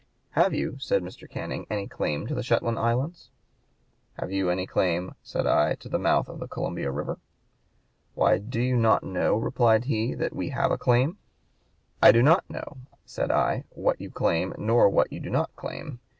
"'Have you,' said Mr. Canning, 'any claim to the Shetland Islands?' 'Have you any claim,' said I, 'to the mouth of Columbia River?' 'Why, do you not know,' replied he, 'that we have a claim?' 'I do not know,' said I, 'what you claim nor what you do not claim.